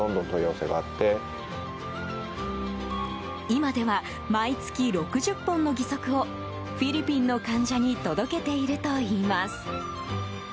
今では毎月６０本の義足をフィリピンの患者に届けているといいます。